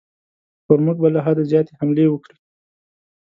پر موږ به له حده زیاتې حملې وکړي.